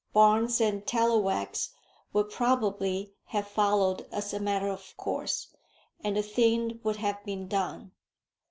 Barnes and Tallowax would probably have followed as a matter of course, and the thing would have been done.